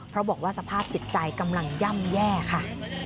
เพราะบอกว่าสภาพจิตใจกำลังย่ำแย่ค่ะ